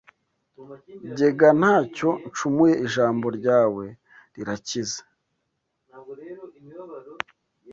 Jye ga nta cyo ncumuye jambo rya we rirakiza